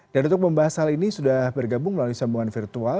dan untuk membahas hal ini sudah bergabung melalui sambungan virtual